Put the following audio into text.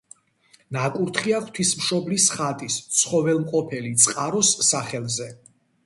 ნაკურთხია ღვთისმშობლი ხატის „ცხოველმყოფელი წყაროს“ სახელზე.